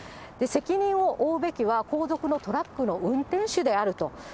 責任を負うべきは後続のトラックの運転手であると。